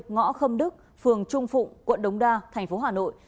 ngõ khâm đức phường trung phụng quận đống đa thành phố hà nội